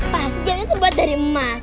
pasti jamnya terbuat dari emas